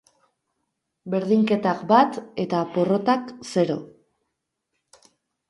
Berdinketak bat eta porrotak zero.